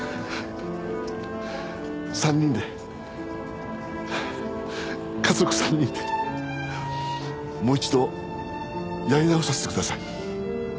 ３人で家族３人でもう一度やり直させてください。